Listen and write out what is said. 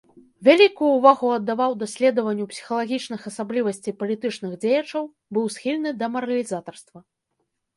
Вялікую ўвагу аддаваў даследаванню псіхалагічных асаблівасцей палітычных дзеячаў, быў схільны да маралізатарства.